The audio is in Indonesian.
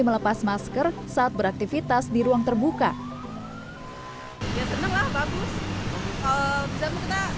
melepas masker saat beraktivitas di ruang terbuka ya seneng lah bagus kalau bisa kita